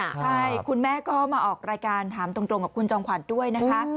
ใช่คุณแม่ก็มาออกรายการถามตรงกับคุณจอมขวัญด้วยนะคะ